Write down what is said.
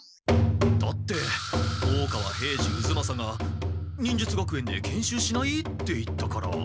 だって大川平次渦正が「忍術学園で研修しない？」って言ったから。